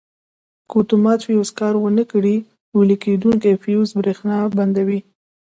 که اتومات فیوز کار ور نه کړي ویلې کېدونکی فیوز برېښنا بندوي.